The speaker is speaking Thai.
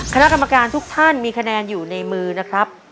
คณะกรรมการทุกท่านมีคะแนนอยู่ในมือนะครับ